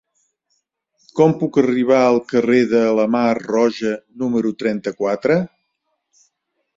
Com puc arribar al carrer de la Mar Roja número trenta-quatre?